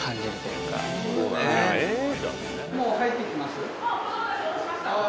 もう入ってきます？